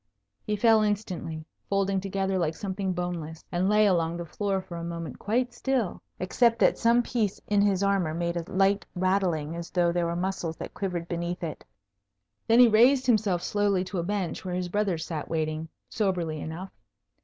He fell instantly, folding together like something boneless, and lay along the floor for a moment quite still, except that some piece in his armour made a light rattling as though there were muscles that quivered beneath it. Then he raised himself slowly to a bench where his brothers sat waiting, soberly enough.